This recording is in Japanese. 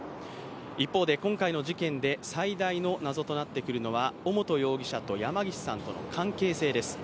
一方で今回の事件で最大の謎となってくるのは尾本容疑者と山岸さんとの関係性です。